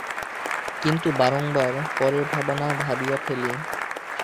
কিন্তু বারংবার পরের ভাবনা ভাবিয়া ফেলি।